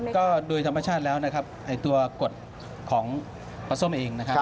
ก็โดยธรรมชาติแล้วนะครับตัวกฎของปลาส้มเองนะครับ